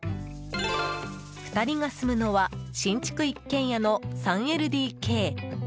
２人が住むのは新築一軒家の３ＬＤＫ。